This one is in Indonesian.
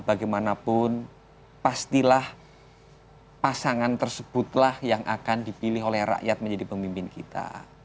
bagaimanapun pastilah pasangan tersebutlah yang akan dipilih oleh rakyat menjadi pemimpin kita